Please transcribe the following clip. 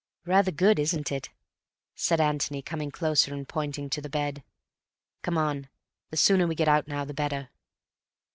"Rather good, isn't it?" said Antony, coming closer and pointing to the bed. "Come on; the sooner we get out now, the better."